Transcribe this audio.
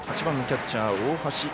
８番、キャッチャー、大橋。